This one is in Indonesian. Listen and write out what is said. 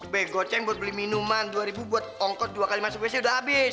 be goceng buat beli minuman dua ribu buat ongkos dua kali masuk besi udah habis